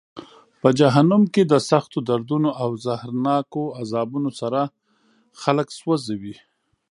په جهنم کې د سختو دردونو او زهرناکو عذابونو سره خلک سوزي.